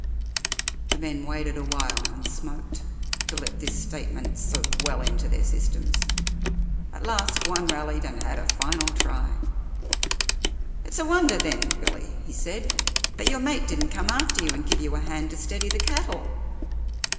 The men waited a while and smoked, to let this statement soak well into their systems; at last one rallied and had a final try. "It's a wonder then, Billy," he said, "that your mate didn't come after you and give you a hand to steady the cattle."